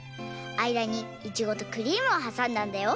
あいだにイチゴとクリームをはさんだんだよ。